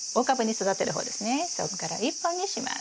そこから１本にします。